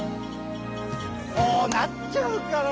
こうなっちゃうから！